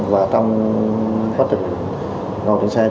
và trong quá trình ngồi trên xe